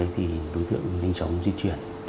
thì đối tượng nhanh chóng di chuyển